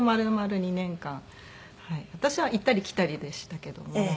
私は行ったり来たりでしたけども。